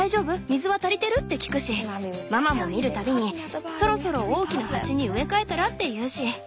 水は足りてる？って聞くしママも見る度にそろそろ大きな鉢に植え替えたらって言うし。